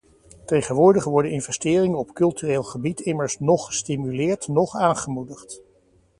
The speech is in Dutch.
Tegenwoordig worden investeringen op cultureel gebied immers noch gestimuleerd noch aangemoedigd.